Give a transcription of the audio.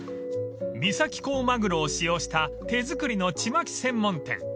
［三崎港マグロを使用した手作りのちまき専門店］